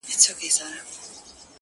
د زړورتیا اصل د وېرې درک دی!.